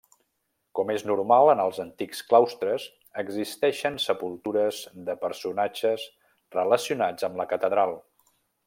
Com és normal en els antics claustres existeixen sepultures de personatges relacionats amb la catedral.